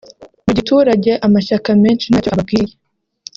“Mu giturage amashyaka menshi ntacyo ababwiye